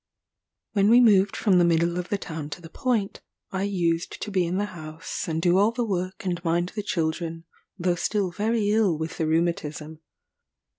When we moved from the middle of the town to the Point, I used to be in the house and do all the work and mind the children, though still very ill with the rheumatism.